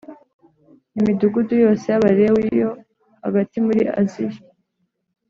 Imidugudu yose y Abalewi yo hagati muri aziya